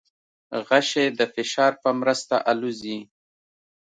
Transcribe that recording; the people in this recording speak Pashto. غشی د فشار په مرسته الوزي.